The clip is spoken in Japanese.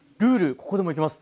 ここでもいきます。